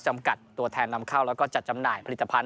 จำกัดตัวแทนนำเข้าแล้วก็จัดจำหน่ายผลิตภัณฑ